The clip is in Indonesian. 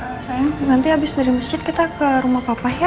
biasanya nanti abis dari masjid kita ke rumah papa ya